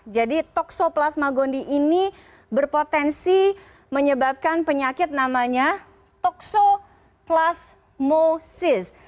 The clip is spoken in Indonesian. jadi toxoplasma gondii ini berpotensi menyebabkan penyakit namanya toxoplasmosis